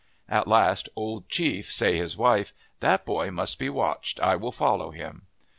"At last Old Chief say his wife, 'That boy must be watched. I will follow him.'